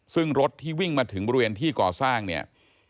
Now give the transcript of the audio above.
ซึ่งรถที่วิ่งมาถึงบริเวณที่ก่อสร้างเนี่ย